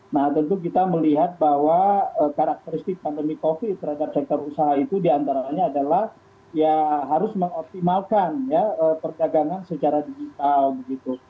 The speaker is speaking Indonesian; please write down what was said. nah tentu kita melihat bahwa karakteristik pandemi covid terhadap sektor usaha itu diantaranya adalah ya harus mengoptimalkan ya perdagangan secara digital begitu